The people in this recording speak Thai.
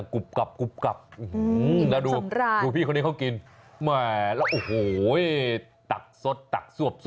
กุบกลับ